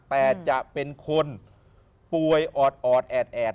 แต่จะเป็นคนป่วยออดแอด